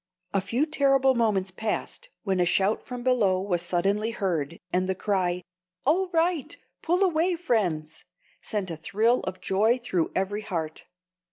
A few terrible moments passed, when a shout from below was suddenly heard, and the cry, "All right! pull away, friends!" sent a thrill of joy through every heart.